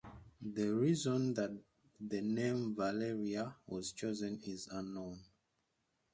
The reason that the name Valeria was chosen is unknown.